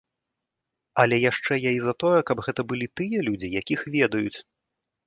Але яшчэ я і за тое, каб гэта былі тыя людзі, якіх ведаюць.